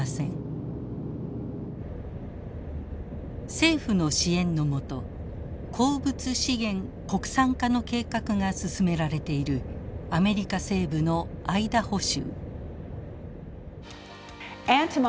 政府の支援の下鉱物資源国産化の計画が進められているアメリカ西部のアイダホ州。